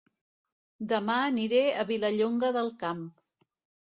Dema aniré a Vilallonga del Camp